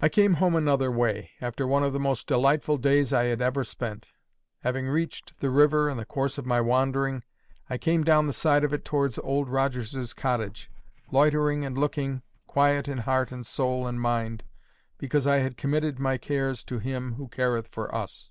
I came home another way, after one of the most delightful days I had ever spent. Having reached the river in the course of my wandering, I came down the side of it towards Old Rogers's cottage, loitering and looking, quiet in heart and soul and mind, because I had committed my cares to Him who careth for us.